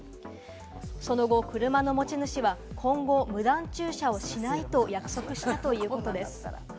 その後、車の持ち主は今後、無断駐車をしないと約束したということです。